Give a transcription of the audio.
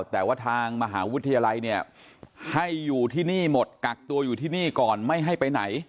แต่ว่าทางมหาวิทยาลัยเนี่ยให้อยู่ที่นี่หมดกักตัวอยู่ที่นี่ก่อนไม่ให้ไปไหน